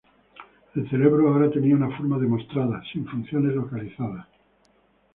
El cerebro ahora tenía una forma demostrada, sin funciones localizadas.